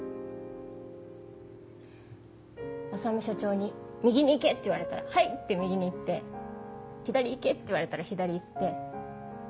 浅海社長に「右に行け」って言われたら「はい」って右に行って「左行け」って言われたら左行って。